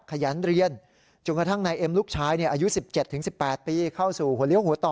ขยันเรียนจนกระทั่งนายเอ็มลูกชายอายุ๑๗๑๘ปีเข้าสู่หัวเลี้ยหัวต่อ